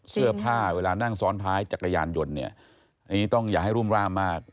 เสื้อผ้าเวลานั่งซ้อนท้ายจักรยานยนต์เนี่ยอันนี้ต้องอย่าให้รุ่มร่ามมาก